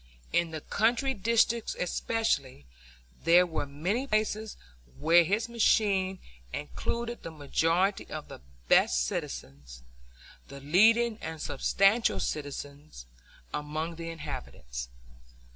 In the country districts especially, there were many places where his machine included the majority of the best citizens, the leading and substantial citizens, among the inhabitants.